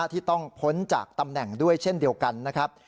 ที่ต้องพ้นจากตำแหน่งด้วยเช่นเดียวกันนะครับ